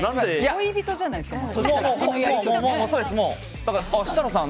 恋人じゃないですか